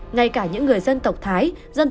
ngay cả những người dân tộc thái